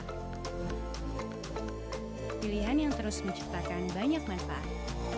pilihan yang terus menciptakan banyak manfaat